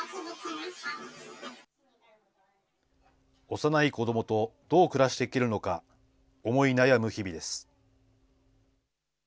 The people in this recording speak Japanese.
幼い子どもとどう暮らしていけるのか、思い悩む日々です。